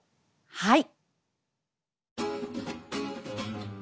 はい。